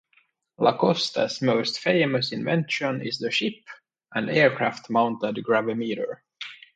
LaCoste's most famous invention is the ship, and aircraft-mounted gravimeter.